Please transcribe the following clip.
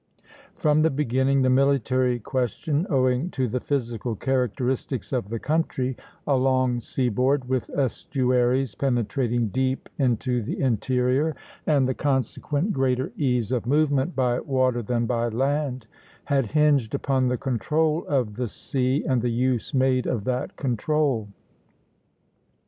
From the beginning, the military question, owing to the physical characteristics of the country, a long seaboard with estuaries penetrating deep into the interior, and the consequent greater ease of movement by water than by land, had hinged upon the control of the sea and the use made of that control.